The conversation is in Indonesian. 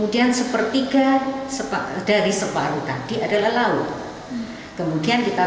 oles ketiga wydaje buat kalau kecepatan